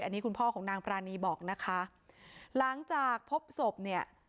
อันนี้คุณพ่อของนางปรานีบอกนะคะหลังจากพบศพเนี่ย